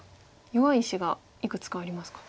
弱い石がいくつかありますか。